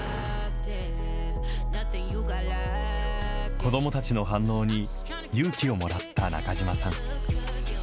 子どもたちの反応に、勇気をもらった中島さん。